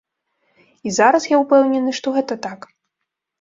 І зараз я ўпэўнены, што гэта так.